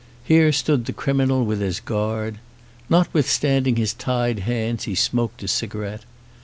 Here stood the criminal with his guard. Notwithstanding his tied hands he smoked a cigarette.